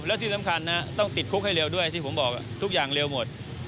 แล้วที่สำคัญนะต้องติดคุกให้เร็วด้วยที่ผมบอกทุกอย่างเร็วหมด